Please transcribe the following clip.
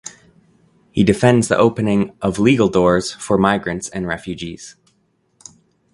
He defends the opening of legal doors for migrants and refugees.